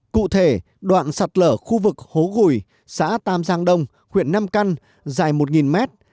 cụ thể đoạn sạt lở khu vực hố gùi xã tam giang đông huyện nam căn dài một mét